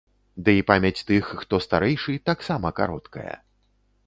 Дый памяць тых, хто старэйшы, таксама кароткая.